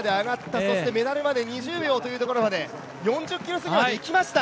メダルまで２０秒というところまで４０秒過ぎまでいきました。